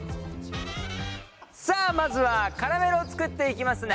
さあまずはキャラメルを作っていきますね。